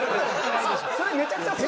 それめちゃくちゃすごい。